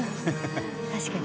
確かに。